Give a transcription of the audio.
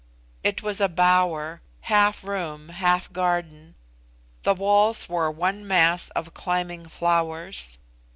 It was a bower half room, half garden. The walls were one mass of climbing flowers.